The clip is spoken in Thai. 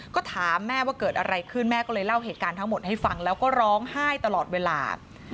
ก็ถามแม่ว่าเกิดอะไรขึ้นแม่ก็เลยเล่าเหตุการณ์ทั้งหมดให้ฟังแล้วก็ร้องไห้ตลอดเวลา